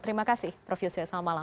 terima kasih prof yose selamat malam